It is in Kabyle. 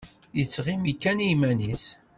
Yettɣimi kan iman-is.